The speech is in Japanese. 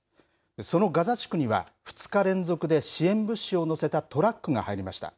そのガザ地区には２日連続で支援物資を載せたトラックが入りました。